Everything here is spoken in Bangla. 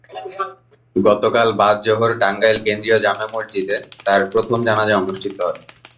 গতকাল বাদ জোহর টাঙ্গাইল কেন্দ্রীয় জামে মসজিদে তাঁর প্রথম জানাজা অনুষ্ঠিত হয়।